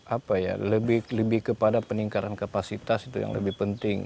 apa ya lebih kepada peningkatan kapasitas itu yang lebih penting